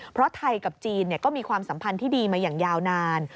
เพราะไทยกับจีนก็มีความสัมพันธ์ที่ดีมาอย่างยาวนาน